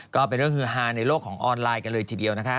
ก็เป็นเรื่องฮือฮาในโลกของออนไลน์กันเลยทีเดียวนะคะ